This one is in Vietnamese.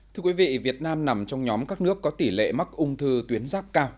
thưa quý vị việt nam nằm trong nhóm các nước có tỷ lệ mắc ung thư tuyến giáp cao